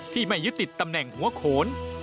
ไม่ยึดติดตำแหน่งหัวโขน